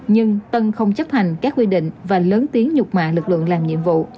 nhưng tân không chấp hành các quy định và lớn tiếng nhục mạng lực lượng làm nhiệm vụ